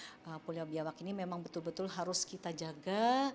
nah pulau biawak ini memang betul betul harus kita jaga